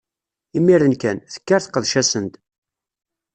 Imiren kan, tekker teqdec-asen-d.